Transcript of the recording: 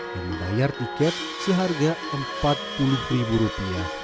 yang membayar tiket seharga rp empat puluh